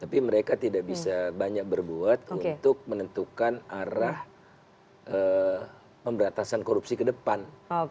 tapi mereka tidak bisa banyak berbuat untuk menentukan arah pemberantasan korupsi ke depan